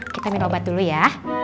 kita minum obat dulu ya